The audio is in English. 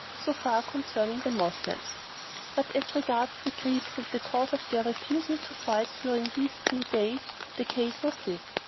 So far concerning the Moslems; but as regards the Greeks and the cause of their refusing to fight during these three days the case was this.